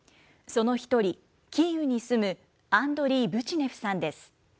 その１人、キーウに住むアンドリー・ブチネフさんです。